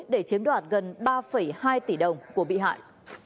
để chiếm đoạt gần ba hai tỷ đồng của bị hại